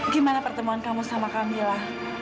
gimana pertemuan kamu sama kamilah